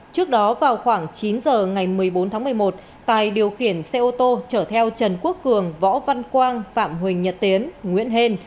trước đó vào khoảng chín giờ ngày một mươi bốn tháng một mươi một tài điều khiển xe ô tô chở theo trần quốc cường võ văn quang phạm huỳnh nhật tiến nguyễn hên